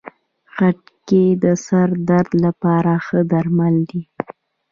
خټکی د سر درد لپاره ښه درمل دی.